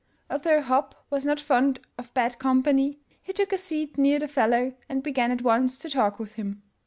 Although Hopp was not fond of bad company, he took a seat near the fellow and began at once to talk with him.